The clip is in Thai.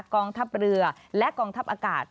กองทัพเรือและกองทัพอากาศ